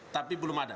tapi belum ada